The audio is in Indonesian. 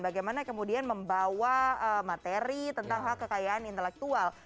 bagaimana kemudian membawa materi tentang hak kekayaan intelektual